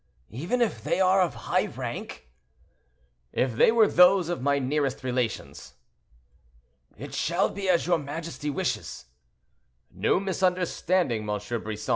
"Even if they are of high rank?" "If they were those of my nearest relations." "It shall be as your majesty wishes." "No misunderstanding, M. Brisson.